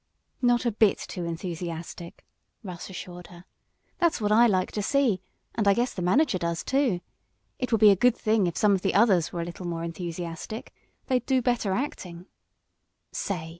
"Not a bit too enthusiastic!" Russ assured her. "That's what I like to see, and I guess the manager does, too. It would be a good thing if some of the others were a little more enthusiastic. They'd do better acting. Say!"